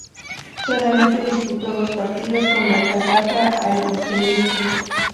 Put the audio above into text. Solamente disputo dos partidos con la casaca albiceleste.